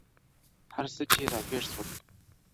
هر څه چي راپېښ ســولـــــه,